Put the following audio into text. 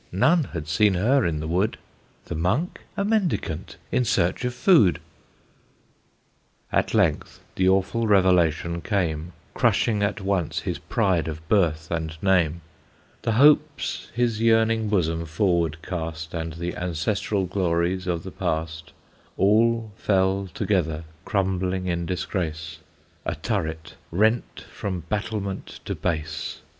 none had seen her in the wood! The monk? a mendicant in search of food! At length the awful revelation came, Crushing at once his pride of birth and name, The hopes his yearning bosom forward cast, And the ancestral glories of the past; All fell together, crumbling in disgrace, A turret rent from battlement to base.